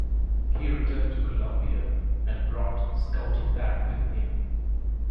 He returned to Colombia and brought Scouting back with him.